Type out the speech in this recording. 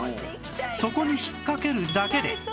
そこに引っかけるだけで